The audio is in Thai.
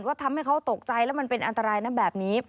ทำให้เขาตกใจแล้วมันเป็นอันตรายนะแบบนี้